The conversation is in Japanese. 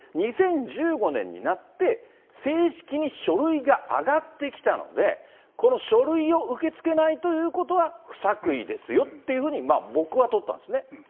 ２０１５年になって、正式に書類が上がってきたので、この書類を受け付けないということは、不作為ですよっていうふうに、僕は取ったんですね。